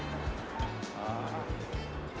ああ。